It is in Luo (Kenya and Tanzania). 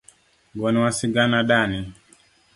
Gonwa sigana dani.